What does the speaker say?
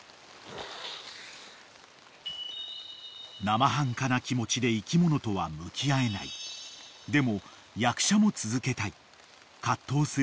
［生半可な気持ちで生き物とは向き合えないでも役者も続けたい葛藤する古山］